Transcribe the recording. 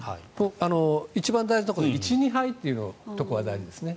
一番大事なことは１２杯ということが大事です。